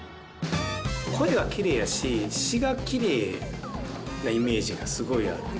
声がきれいやし、詞がきれいなイメージがすごいある。